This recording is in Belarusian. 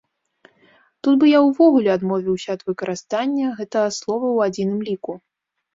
Тут бы я ўвогуле адмовіўся ад выкарыстання гэтага слова ў адзіным ліку.